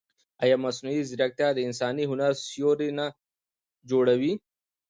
ایا مصنوعي ځیرکتیا د انساني هنر سیوری نه جوړوي؟